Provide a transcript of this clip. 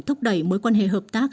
để thúc đẩy mối quan hệ hợp tác